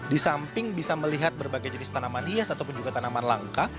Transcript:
di samping bisa melihat berbagai jenis tanaman hias ataupun juga tanaman langka